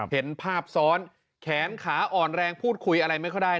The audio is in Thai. เห็นภาพซ้อนแขนขาอ่อนแรงพูดคุยอะไรไม่ค่อยได้